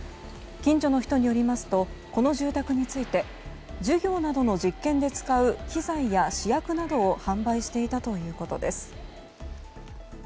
近所の人によりますとこの住宅について授業などの実験で使う器材や試薬などを販売していたということです。